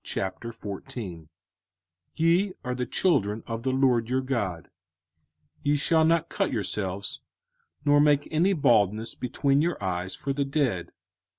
05:014:001 Ye are the children of the LORD your God: ye shall not cut yourselves, nor make any baldness between your eyes for the dead.